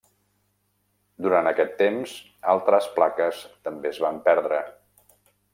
Durant aquest temps, altres plaques també es van perdre.